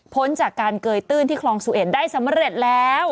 พ้นจากการเกยตื้นที่คลองสุเอ็ดได้สำเร็จแล้ว